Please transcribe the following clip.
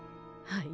はい。